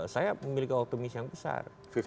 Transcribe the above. saya memiliki optimis yang besar